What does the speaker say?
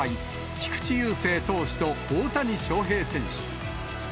菊池雄星投手と大谷翔平選手。